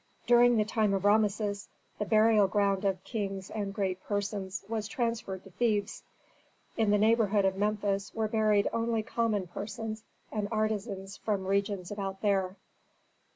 During the time of Rameses, the burial ground of kings and great persons was transferred to Thebes; in the neighborhood of Memphis were buried only common persons and artisans from regions about there.